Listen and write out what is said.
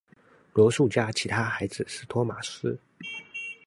罗素家其他孩子是托马斯。